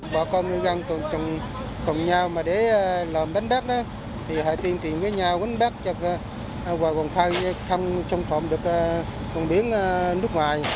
bộ công ngư dân cùng nhau mà để làm bến bác đó thì hãy tuyên truyền với nhau bến bác cho vòng thai không trong phòng được phòng biến nước ngoài